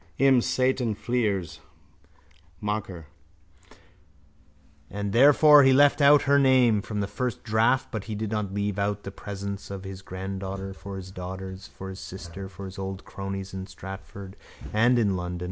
Him Satan fleers, Mocker: And therefore he left out her name From the first draft but he did not leave out The presents for his granddaughter, for his daughters, For his sister, for his old cronies in Stratford And in London.